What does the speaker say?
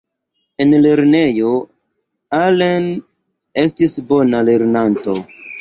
En lernejo, Alain estis bona lernanto.